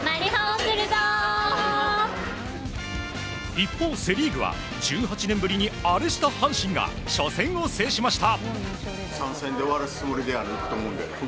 一方、セ・リーグは１８年ぶりにアレした阪神が初戦を制しました。